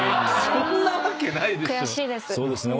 そんなわけないでしょ！